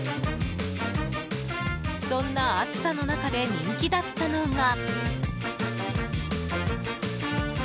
そんな暑さの中で人気だったのが。